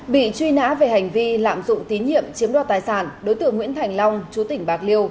bị truy nã về hành vi lạm dụng tín nhiệm chiếm đoạt tài sản đối tượng nguyễn thành long chú tỉnh bạc liêu